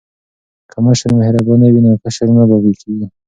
که مشر مهربان وي نو کشر نه باغی کیږي.